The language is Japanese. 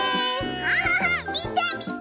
キャハハみてみて！